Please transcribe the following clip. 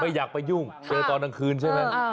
ไม่อยากไปยุ่งเจอตอนนักคืนใช่ไหม